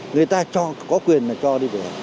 người ta có quyền là cho đi